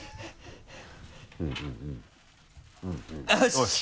よし！